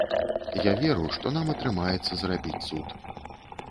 Я веру, што нам атрымаецца зрабіць цуд.